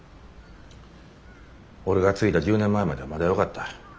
俺が継いだ１０年前まではまだよかった。